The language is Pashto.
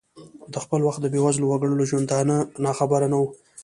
د خپل وخت د بې وزلو وګړو له ژوندانه ناخبره نه ؤ.